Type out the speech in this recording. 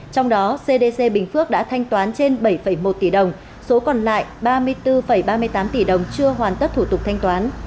trong đó cdc bình phước đã thanh toán trên bảy một tỷ đồng số còn lại ba mươi bốn ba mươi tám tỷ đồng chưa hoàn tất thủ tục thanh toán